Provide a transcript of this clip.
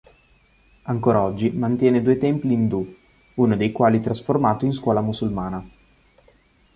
Ancora oggi mantiene due templi indù, uno dei quali trasformato in scuola musulmana.